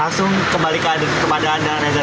langsung kembali ke tempat anda